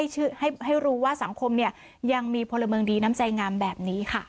ให้รู้ว่าสังคมยังมีพลเมืองดีน้ำใจงามแบบนี้ค่ะ